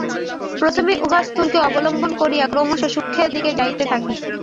প্রথমে উহা স্থূলকে অবলম্বন করিয়া ক্রমশ সূক্ষ্মের দিকে যাইতে থাকে।